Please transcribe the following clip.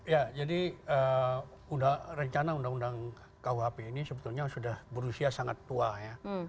ya jadi rencana undang undang kuhp ini sebetulnya sudah berusia sangat tua ya